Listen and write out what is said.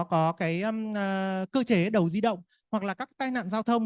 có cái cơ chế đầu di động hoặc là các tai nạn giao thông